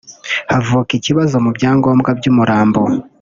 havuka ikibazo mu byangombwa by’umurambo